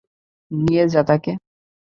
নিয়ে যা তাকে।